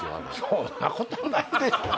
そんなことないでしょ。